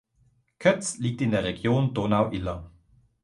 Kötz liegt in der Region Donau-Iller.